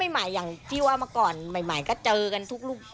ได้นำเรื่องราวมาแชร์ในโลกโซเชียลจึงเกิดเป็นประเด็นอีกครั้ง